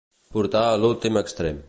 Portar a l'últim extrem.